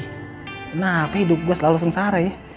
kenapa hidup gue selalu sengsara ya